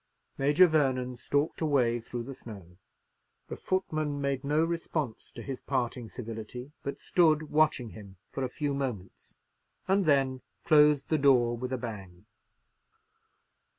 Major Vernon stalked away through the snow. The footman made no response to his parting civility, but stood watching him for a few moments, and then closed the door with a bang.